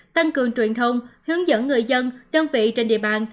tăng cường truyền thông hướng dẫn người dân đơn vị trên địa bàn